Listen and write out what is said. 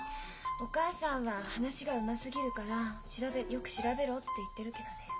お母さんは話がうますぎるからよく調べろって言ってるけどね。